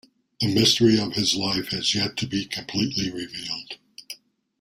The mystery of his life has yet to be completely revealed.